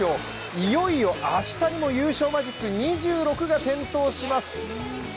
いよいよ明日にも優勝マジック２６が点灯します。